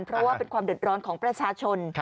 เพราะว่าเป็นความเดือดร้อนของประชาชน